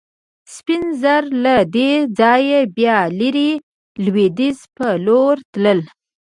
سپین زر له دې ځایه بیا لرې لوېدیځ په لور تلل.